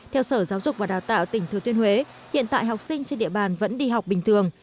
theo sở giáo dục và đào tạo tỉnh thừa tuyên huế hiện tại học sinh trên địa bàn vẫn đi học bình thường